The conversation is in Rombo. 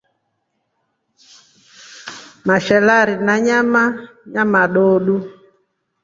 Mashalari ya nyama nyomadoodu.